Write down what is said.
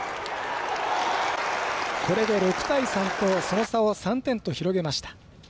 これで６対３とその差を３点と広げました。